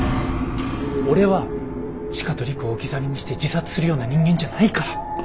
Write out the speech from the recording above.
俺は千佳と璃久を置き去りにして自殺するような人間じゃないから！